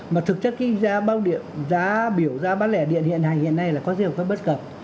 mà thực chất cái giá biểu giá bán lẻ điện hiện nay là có dấu hiệu bất cập